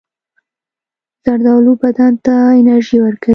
زردالو بدن ته انرژي ورکوي.